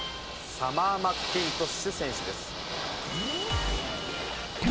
サマー・マッキントッシュ選手。